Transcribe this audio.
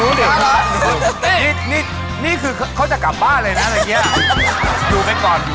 อยู่ไปก่อนอยู่ไปก่อน